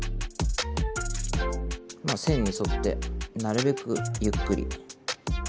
線に沿ってなるべくゆっくり。